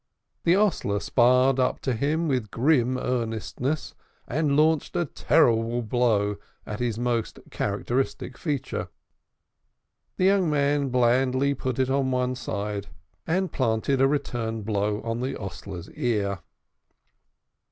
The hostler sparred up to him with grim earnestness, and launched a terrible blow at his most characteristic feature. The young man blandly put it on one side, and planted a return blow on the hostler's ear.